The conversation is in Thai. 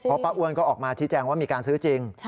เพราะป้าอ้วนก็ออกมาชี้แจงว่ามีการซื้อจริง